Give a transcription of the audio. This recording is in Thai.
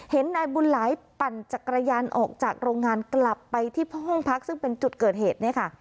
นายบุญหลายปั่นจักรยานออกจากโรงงานกลับไปที่ห้องพักซึ่งเป็นจุดเกิดเหตุเนี่ยค่ะ